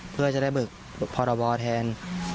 เพื่อจะได้บึกพอระบอแทน